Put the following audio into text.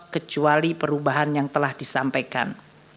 kecuali perubahan yang telah disampaikan